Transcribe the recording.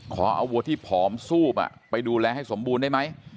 ขอเอาวัวที่ผอมซูบไปดูแลให้สมบูรณ์ได้ไหม